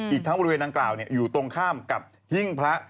อีกทั้งบริเวณดังกล่าวอยู่ตรงข้ามกับหิ้งพระ